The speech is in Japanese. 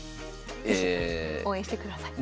是非応援してください。